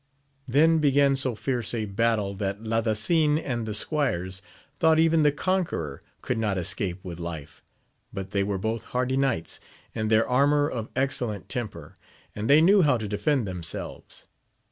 Then began so fierce a battle, that Ladasin and the squires thought even the conqueror could not escape with life ; but they were both hardy knights, and their armour of excellent temper, and they knew how to defend themselves.